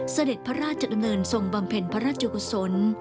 เสด็จพระราชกัยเนินทรงปัญชงพระราชยกุศล